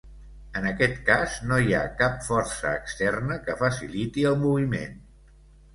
En aquest cas, no hi ha cap força externa que faciliti el moviment.